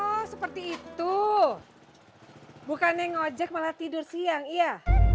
oh seperti itu bukan yang ngajak malah tidur siang iya